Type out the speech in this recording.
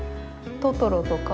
トトロとか。